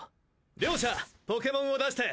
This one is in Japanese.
両者ポケモンを出して。